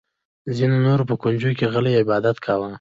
ځینې نورو په کونج کې غلی عبادت کاوه.